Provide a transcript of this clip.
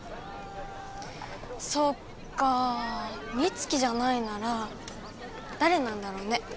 そっかー美月じゃないなら誰なんだろうね？